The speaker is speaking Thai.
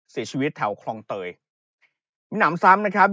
เสียชีวิตแถวคลองเตยมีหนำซ้ำนะครับ